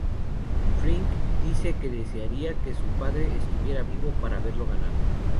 Frink dice que desearía que su padre estuviera vivo para verlo ganar.